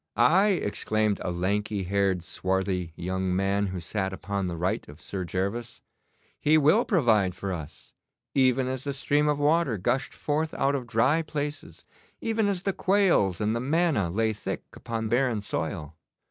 'Aye,' exclaimed a lanky haired, swarthy young man who sat upon the right of Sir Gervas, 'he will provide for us, even as the stream of water gushed forth out of dry places, even as the quails and the manna lay thick upon barren soil.